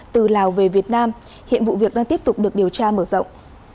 từ lào về việt nam hiện vụ việc đang tiếp tục được điều tra mở rộng